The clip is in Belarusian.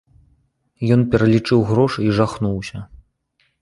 Ён пералічыў грошы і жахнуўся.